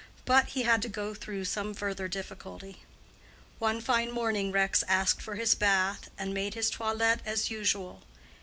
But he had to go through some further difficulty. One fine morning Rex asked for his bath, and made his toilet as usual.